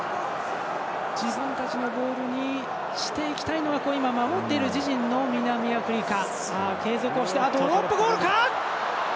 自分たちのボールにしていきたいのは、守っている自陣の南アフリカ。